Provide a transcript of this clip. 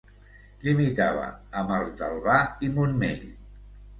Limitava amb els d'Albà i Montmell.